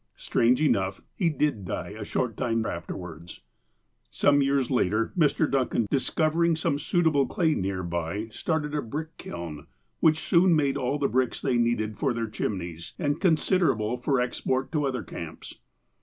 Strange enough, he did die a short time afterwards. Some years later, Mr. Duncan, discovering some suit able clay near by started a brick kiln, which soon made all the bricks they needed for their chimneys, and con siderable for export to other camjDS.